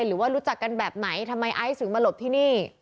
รู้จักกันแบบไหนทำไมไอซ์ถึงมาหลบที่นี่